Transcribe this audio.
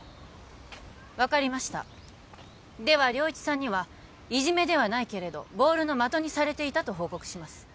分かりましたでは良一さんにはいじめではないけれどボールの的にされていたと報告します